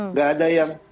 nggak ada yang